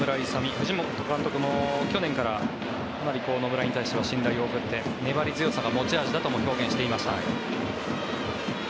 藤本監督も去年から野村に対しては信頼を送って粘り強さが持ち味だとも表現していました。